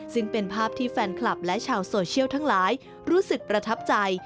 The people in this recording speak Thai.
ซึ่งเป็นภาพที่แฟนคลับและชาวโซเชียลทั้งหลายรู้สึกประทับใจ